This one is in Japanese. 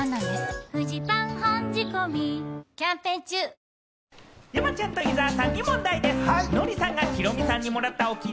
誕生山ちゃんと伊沢さんに問題です。